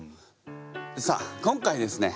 さあ今回ですね